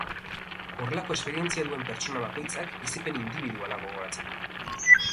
Horrelako esperientzia duen pertsona bakoitzak bizipen indibiduala gogoratzen du.